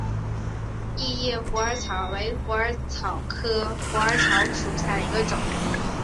异叶虎耳草为虎耳草科虎耳草属下的一个种。